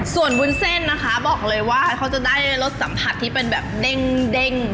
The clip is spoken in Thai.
ส่วนวุนเซลนะคะบอกเลยว่าเค้าจะได้รสสรรพันธ์ที่เป็นแบบเด้ง